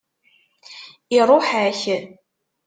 Iṛuḥ-ak.